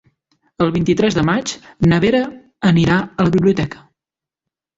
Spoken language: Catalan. El vint-i-tres de maig na Vera anirà a la biblioteca.